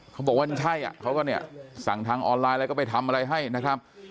เค้าบอกว่านี่ใช่เค้าก็สั่งทางออนไลน์แล้วก็ไปทำอะไรให้นะครับ